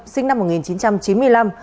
sinh năm một nghìn chín trăm chín mươi năm